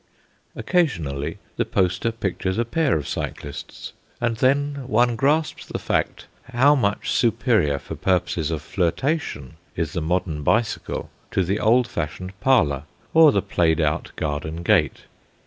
Occasionally the poster pictures a pair of cyclists; and then one grasps the fact how much superior for purposes of flirtation is the modern bicycle to the old fashioned parlour or the played out garden gate.